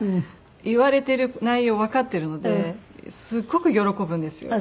言われてる内容をわかってるのですごく喜ぶんですよ。